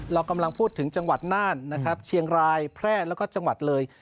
เรากำลังพูดถึงจังหวัดน่านนะครับเชียงรายแพร่แล้วก็จังหวัดเลย